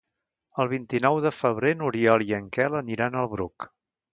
El vint-i-nou de febrer n'Oriol i en Quel aniran al Bruc.